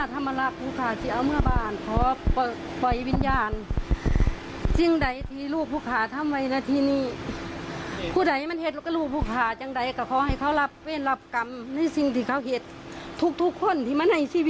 ทุกทุกคนที่มาในชีวิตลูกของเขาค่ะ